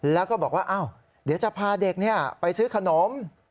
แล้วก็บอกว่าเดี๋ยวจะพาเด็กไปซื้อขนม